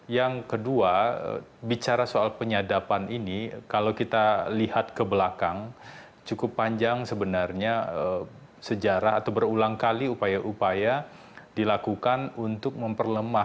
yang kedua bicara soal penyadapan ini kalau kita lihat ke belakang cukup panjang sebenarnya sejarah atau berulang kali upaya upaya dilakukan untuk memperlemahan